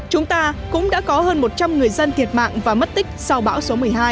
chúng ta cũng đã có hơn một trăm linh người dân thiệt mạng và mất tích sau bão số một mươi hai